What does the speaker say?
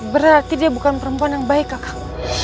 berarti dia bukan perempuan yang baik kakak